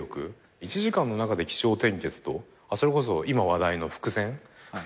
１時間の中で起承転結とそれこそ今話題の伏線。